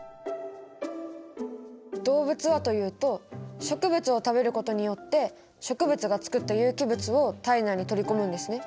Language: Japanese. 動物はというと植物を食べることによって植物が作った有機物を体内に取り込むんですね。